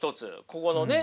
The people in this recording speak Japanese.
ここのね。